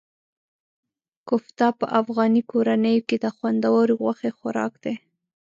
کوفته په افغاني کورنیو کې د خوندورو غوښې خوراک دی.